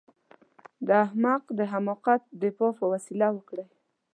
د احمق د حماقت دفاع په وسيله وکړئ.